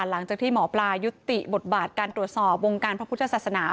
หลังจากที่หมอปลายุติบทบาทการตรวจสอบวงการพระพุทธศาสนา